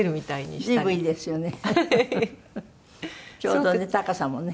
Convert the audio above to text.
ちょうどね高さもね。